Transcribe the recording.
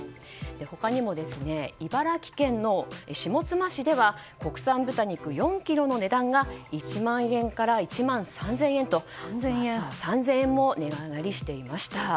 他にも、茨城県の下妻市では国産豚肉４ｋｇの値段が１万円から１万３０００円と３０００円も値上がりしていました。